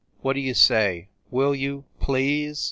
What d you say? Will you, please!"